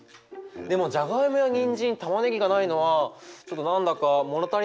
でもじゃがいもやにんじんたまねぎがないのはちょっと何だか物足りないな。